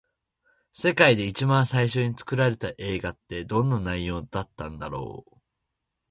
世界で一番最初に作られた映画って、どんな内容だったんだろう。